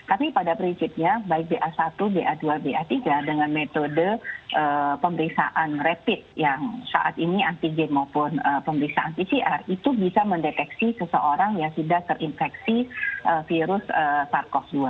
tapi pada prinsipnya baik ba satu ba dua ba tiga dengan metode pemeriksaan rapid yang saat ini antigen maupun pemeriksaan pcr itu bisa mendeteksi seseorang yang sudah terinfeksi virus sars cov dua